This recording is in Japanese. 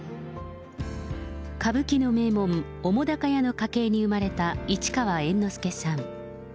歌舞伎の名門、澤瀉屋の家系に生まれた市川猿之助さん。